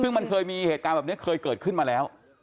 ซึ่งมันเคยมีเหตุการณ์แบบนี้เคยเกิดขึ้นมาแล้ว